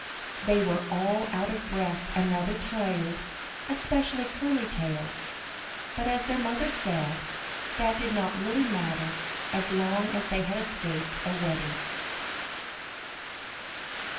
They were all out of breath and rather tired, especially Curly Tail, but as their mother said, that did not really matter as long as they had escaped a wetting.